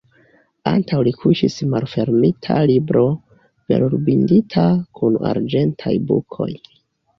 Antaŭ li kuŝis malfermita libro, velurbindita, kun arĝentaj bukoj.